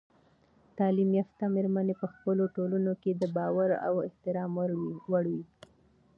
تعلیم یافته میرمنې په خپلو ټولنو کې د باور او احترام وړ وي.